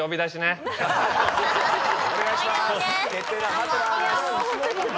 お願いします。